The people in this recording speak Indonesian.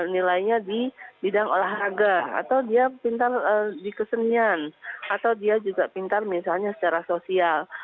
nilainya di bidang olahraga atau dia pintar di kesenian atau dia juga pintar misalnya secara sosial